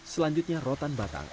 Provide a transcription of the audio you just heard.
selanjutnya rotan batang